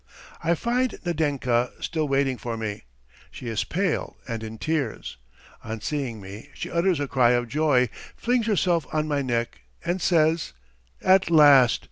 I find Nadenka still waiting for me. She is pale and in tears. On seeing me she utters a cry of joy, flings herself on my neck, and says: "At last!